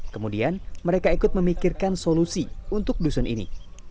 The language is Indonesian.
kemudian mereka ikut memikirkan solusi untuk dusun ini